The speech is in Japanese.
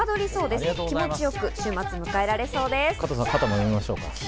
加藤さん、肩揉みましょうか？